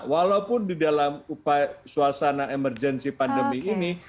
walaupun di dalam suasana emergency pandemi ini